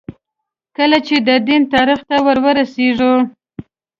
کله چې د دین تاریخ ته وررسېږو.